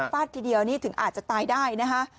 ฟาดทีเดียวนี่ถึงอาจจะตายได้นะคะ